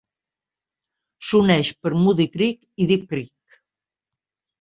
S'uneix per Muddy Creek i Deep Creek.